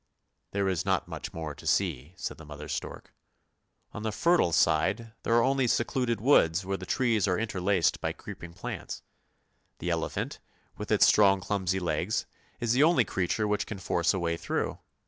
"" There is not much more to see," said the mother stork. " On the fertile side there are only secluded woods where the trees are interlaced by creeping plants. The elephant, with its strong clumsy legs, is the only creature which can force a way through.